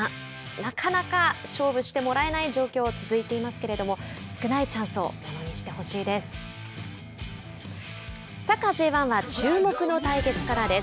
なかなか勝負してもらえない状況が続いていますが少ないチャンスをものにしてほしいです。